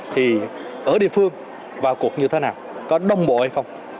thì ở địa phương vào cuộc như thế nào có đồng bộ hay không